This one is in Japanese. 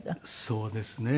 そうですね。